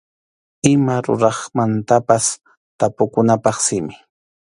Ima ruraqmantapas tapukunapaq simi.